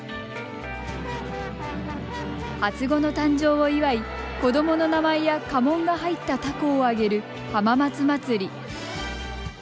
初子の誕生を祝い子どもの名前や家紋が入ったたこを揚げる浜松まつり。